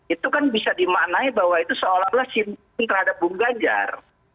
itu kan bisa dimaknai bahwa itu seolah olah shimping terhadap bung ganjar